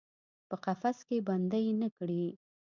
په قفس کې بندۍ نه کړي